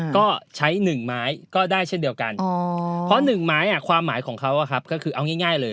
ก็ใช้๑ไม้ก็ได้เช่นเดียวกันเพราะ๑ไม้ความหมายของเขาก็คือเอาง่ายเลย